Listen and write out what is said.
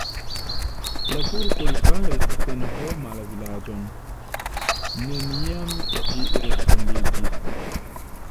La turkoj faris senhoma la vilaĝon, neniam ĝi refondiĝis.